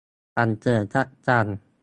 สรรเสริญพระจันทร์